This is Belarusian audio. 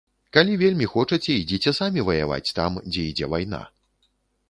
Калі вельмі хочаце, ідзіце самі ваяваць там, дзе ідзе вайна.